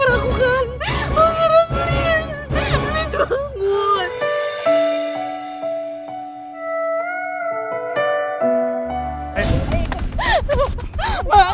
maksudku nyari teman latar dasar di sekolah